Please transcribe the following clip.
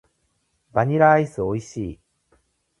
バニラアイス美味しい。